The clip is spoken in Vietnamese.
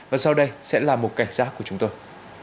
và sau đây sẽ là một cảnh giác của chúng tôi